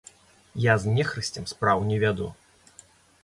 Я з нехрысцем спраў не вяду.